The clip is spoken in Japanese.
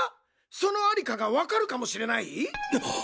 そのありかがわかるかもしれない？